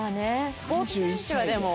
スポーツ選手はでも。